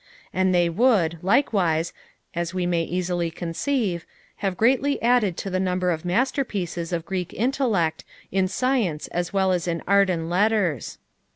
And they would, likewise, as we may easily conceive, have greatly added to the number of masterpieces of Greek intellect in science as well as in art and letters.